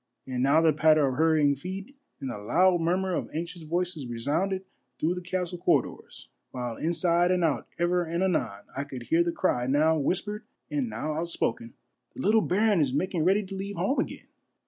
And now the patter of hurrying feet and the loud murmur of anxious voices resounded through the castle corridors, while inside and out ever and anon I could hear the cry now whispered and now outspoken, —" The little baron is making ready to leave home again."